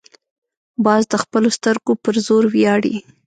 باز د خپلو سترګو پر زور ویاړي